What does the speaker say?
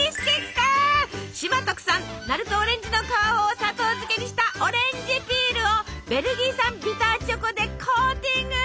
島特産鳴門オレンジの皮を砂糖漬けにしたオレンジピールをベルギー産ビターチョコでコーティング！